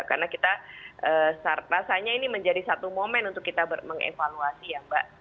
karena kita rasanya ini menjadi satu momen untuk kita mengevaluasi ya mbak